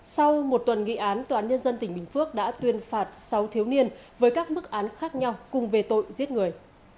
sau một tuần nghị án tòa án nhân dân tỉnh bình phước đã tuyên phạt sáu thiếu niên với các mức án khác nhau cùng về tội giết người